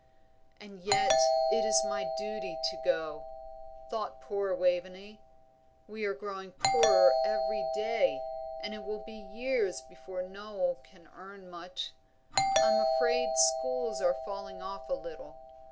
"And yet it is my duty to go," thought poor Waveney. "We are growing poorer every day, and it will be years before Noel can earn much. I am afraid the schools are falling off a little.